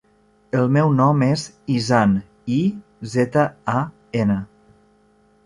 El meu nom és Izan: i, zeta, a, ena.